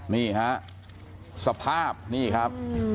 นี่ฮะสภาพนี่ครับ